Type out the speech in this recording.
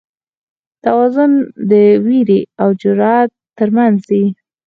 توازن د وېرې او جرئت تر منځ دی.